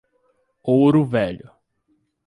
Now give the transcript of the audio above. Ouro Velho